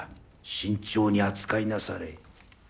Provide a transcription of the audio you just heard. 慎重に扱いなされ